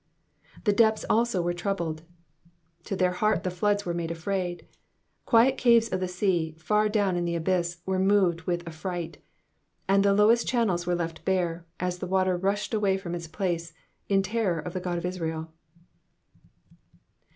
^^ The depths also were troubled,''^ To their heart the floods were made afraid. Quiet caves of the sea, far down in the abyss, were moved with affright; and the lowest channels were left bare, as the water rushed away from its place, in terror of the God of Israel.